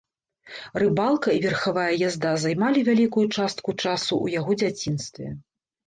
Рыбалка і верхавая язда займалі вялікую частку часу ў яго дзяцінстве.